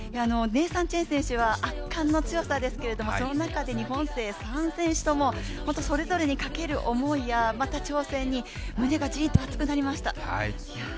ネイサン・チェン選手は、圧巻の強さですけどもその中で日本勢３選手ともそれぞれにかける思いや、挑戦に胸がじーんと熱くなりました。